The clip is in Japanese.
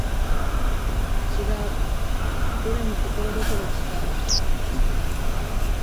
違う、どれもところどころ違う